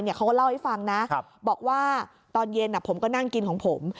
เขาก็เล่าให้ฟังนะบอกว่าตอนเย็นผมก็นั่งกินของผม